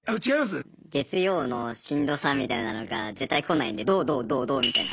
月曜のしんどさみたいなのが絶対来ないんで土・土・土・土みたいな。